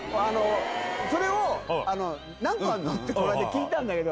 それを何個あるのって、この間、聞いたんだけど。